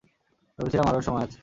ভেবেছিলাম আরো সময় আছে।